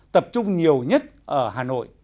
tập trung nhiều nhất ở hà nội